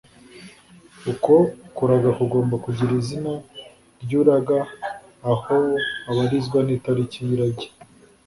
uko kuraga kugomba kugira izina ry'uraga aho abarizwa n'itariki y'irage